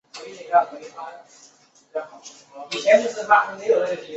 圆形鳞斑蟹为扇蟹科鳞斑蟹属的动物。